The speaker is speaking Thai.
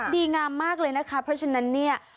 ดีงามมากเลยนะคะเพราะฉะนั้นเนี่ย